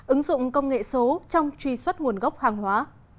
ứng dụng công nghệ số trong truy xuất nguồn gốc hàng hóa